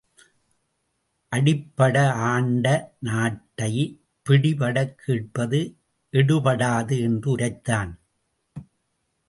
அடிப்பட ஆண்ட நாட்டைப் பிடிபடக் கேட்பது எடுபடாது என்று உரைத்தான்.